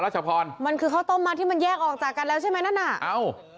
มันคือเข้าต้มมัสที่มันแยกออกจากกันแล้วใช่ไหมนั่นหน่า